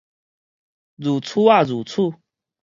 如此仔如此